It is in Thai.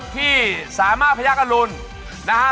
พี่สามารถพระยักษ์อรุณนะฮะ